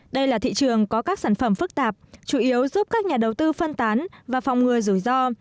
đây là thị trường có các sản phẩm phức tạp chủ yếu giúp các nhà đầu tư phân tán và phòng ngừa rủi ro